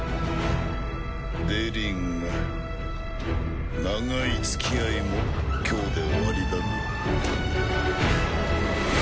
デリング長いつきあいも今日で終わりだな。